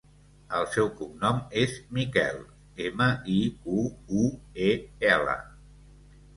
El seu cognom és Miquel: ema, i, cu, u, e, ela.